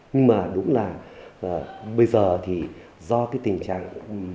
nhưng mà đúng là bây giờ thì do cái tình trạng